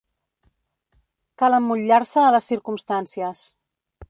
Cal emmotllar-se a les circumstàncies.